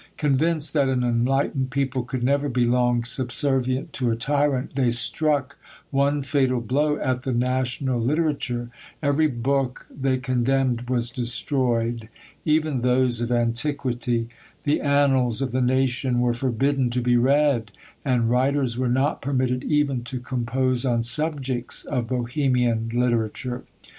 Convinced that an enlightened people could never be long subservient to a tyrant, they struck one fatal blow at the national literature: every book they condemned was destroyed, even those of antiquity; the annals of the nation were forbidden to be read, and writers were not permitted even to compose on subjects of Bohemian literature.